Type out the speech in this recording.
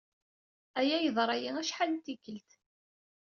Aya yeḍra-iyi acḥal d tikkelt.